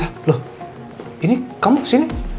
ah loh ini kamu kesini